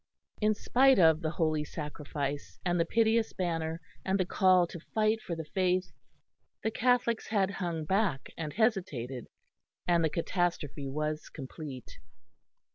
In spite of the Holy Sacrifice, and the piteous banner, and the call to fight for the faith, the Catholics had hung back and hesitated, and the catastrophe was complete.